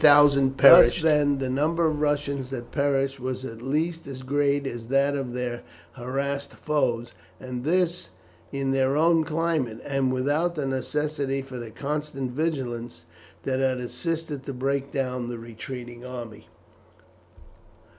Thus, then, the number of Russians that perished was at least as great as that of their harassed foes, and this in their own climate, and without the necessity for the constant vigilance, that had assisted to break down the retreating army.